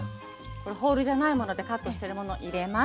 ホールじゃないものでカットしてるもの入れます。